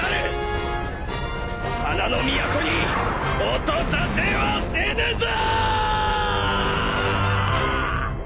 花の都に落とさせはせぬぞ！！